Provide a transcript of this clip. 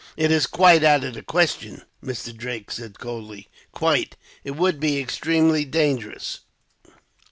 "It is quite out of the question," Mr. Drake said coldly. "Quite. It would be extremely dangerous.